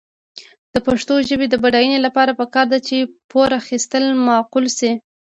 د پښتو ژبې د بډاینې لپاره پکار ده چې پور اخیستل معقول شي.